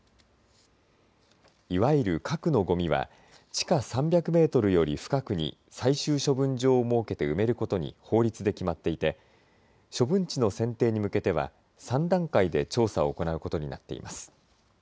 いわゆる核のごみは地下３００メートルより深くに最終処分場を設けて埋めることに法律で決まっていて処分地の選定に向けては３段階で調査を行うことになっています。